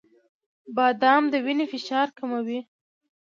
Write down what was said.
• بادام د وینې فشار کموي.